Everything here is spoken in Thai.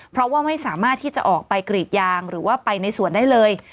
เพราะว่าไม่สามารถที่จะออกไปกรีดยางหรือว่าไปในสวนได้เลย